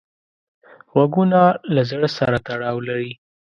غوږونه له زړه سره تړاو لري